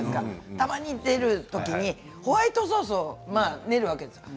たまに出る時にホワイトソース出るわけですよね。